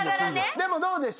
でもどうでした？